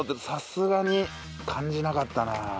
さすがに感じなかったな。